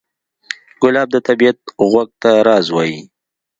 ګلاب د طبیعت غوږ ته راز وایي.